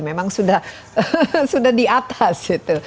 memang sudah di atas